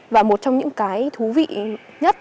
và một trong những cái thú vị nhất